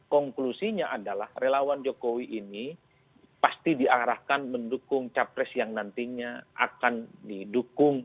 konklusinya adalah relawan jokowi ini pasti diarahkan mendukung capres yang nantinya akan didukung